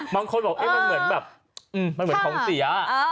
บางคนบอกมันเหมือนแบบมันเหมือนของเสีย